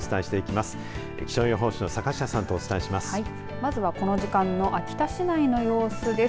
まずは、この時間の秋田市内の様子です。